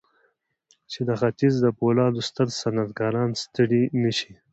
چې د ختيځ د پولادو ستر صنعتکاران ستړي نه شي.